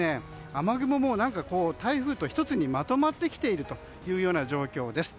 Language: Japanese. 雨雲も台風と１つにまとまってきているような状況です。